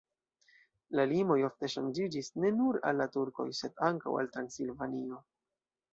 La limoj ofte ŝanĝiĝis ne nur al la turkoj, sed ankaŭ al Transilvanio.